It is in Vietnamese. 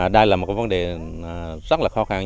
đây là một vấn đề rất là khó khăn